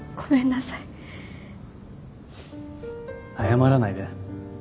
謝らないで。